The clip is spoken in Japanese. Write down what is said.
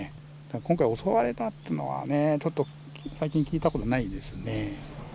今回襲われたっていうのはね、ちょっと最近聞いたことないですね。